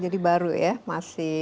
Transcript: jadi baru ya